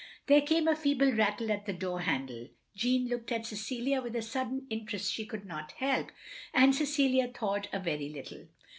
There came a feeble rattle at the door handle. Jeanne looked at Cecilia with a sudden interest she could not help, and Cecilia thawed a very little.